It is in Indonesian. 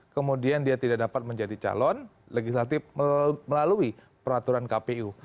kemudian dia tidak dapat menjadi calon legislatif melalui peraturan kpu